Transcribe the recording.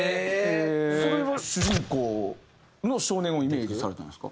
それは主人公の少年をイメージされたんですか？